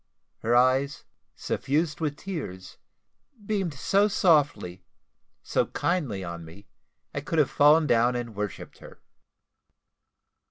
Her eyes, suffused with tears, beamed so softly, so kindly on me, I could have fallen down and worshipped her.